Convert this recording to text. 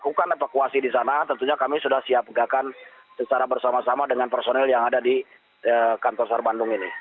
lakukan evakuasi di sana tentunya kami sudah siap gagakan secara bersama sama dengan personil yang ada di kantor sar bandung ini